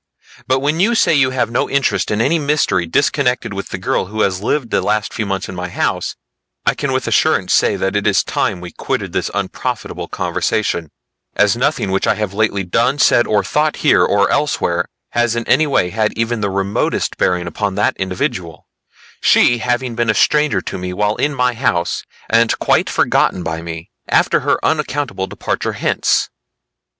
But when you say you have no interest in any mystery disconnected with the girl who has lived the last few months in my house, I can with assurance say that it is time we quitted this unprofitable conversation, as nothing which I have lately done, said or thought here or elsewhere has in any way had even the remotest bearing upon that individual; she having been a stranger to me while in my house, and quite forgotten by me, after her unaccountable departure hence."